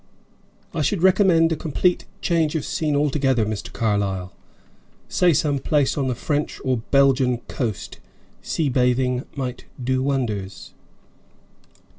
"I should recommend a complete change of scene altogether, Mr. Carlyle. Say some place on the French or Belgian coast. Sea bathing might do wonders."